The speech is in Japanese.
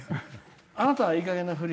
あなたは、いいかげんな振り